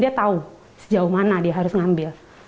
dia tahu sejauh mana dia harus ngambil